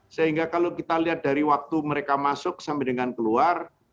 sehingga kalau kita lihat dari waktu mereka masuk sampai dengan keluar